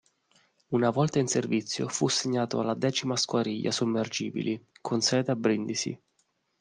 Una volta in servizio fu assegnato alla X Squadriglia Sommergibili, con sede a Brindisi.